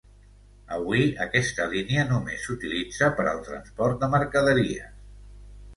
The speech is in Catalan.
Avui aquesta línia només s'utilitza per al transport de mercaderies.